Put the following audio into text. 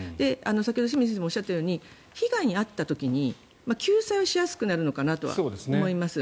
先ほど清水先生もおっしゃったように被害に遭った時に救済をしやすくなるのかなとは思います。